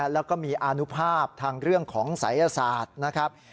แล้วก็มีอานุภาพทางเรื่องของศัยศาสตร์นะครับ